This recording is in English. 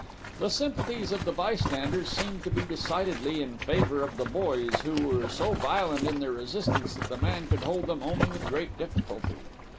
"The sympathies of the bystanders seemed to be decidedly in favor of the boys, who were so violent in their resistance that the man could hold them only with great difficulty.